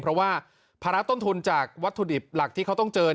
เพราะว่าภาระต้นทุนจากวัตถุดิบหลักที่เขาต้องเจอ